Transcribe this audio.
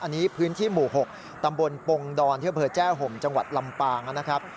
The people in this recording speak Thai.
อันนี้พื้นที่หมู่๖ตำบลปงดอนเที่ยวเผลอแจ้ห่มจังหวัดลำปางนะครับ